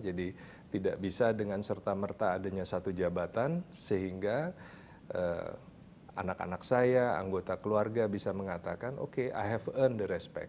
jadi tidak bisa dengan serta merta adanya satu jabatan sehingga anak anak saya anggota keluarga bisa mengatakan oke i have earned the respect